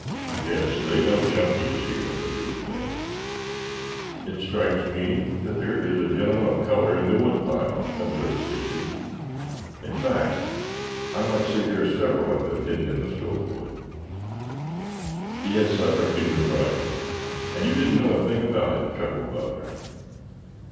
"Yes, they know Chunky is here," agreed Ned. "It strikes me that there is a gentleman of color in the woodpile," observed Stacy. "In fact, I might say there are several of them hidden in the stove wood." "Yes, I reckon you're right. And you didn't know a thing about it?" chuckled Butler.